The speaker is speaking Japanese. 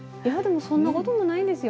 そんなこともないですよ。